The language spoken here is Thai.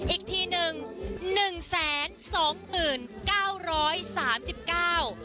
๙อีกทีหนึ่ง๑แสน๒ตื่น๙ร้อย๓สิบเก้า